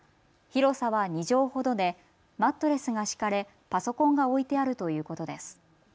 広さは２畳ほどでマットレスが敷かれパソコンが置いてあるということです。